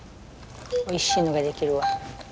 おいしいのが出来るわ。